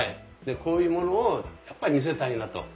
こういうものをやっぱり見せたいなと。